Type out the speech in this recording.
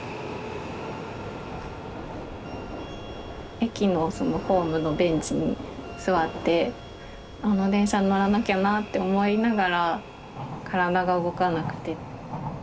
駅のそのホームのベンチに座ってこの電車に乗らなきゃなって思いながら体が動かなくて。